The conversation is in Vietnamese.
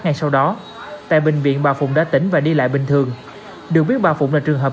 ngay sau đó tại bệnh viện bà phụng đã tỉnh và đi lại bình thường được biết bà phụng là trường hợp